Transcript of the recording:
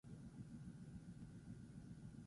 Gehiegizko zaratagatik jarri zuten auzokideek demanda.